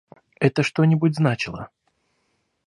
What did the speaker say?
Это что-нибудь значило.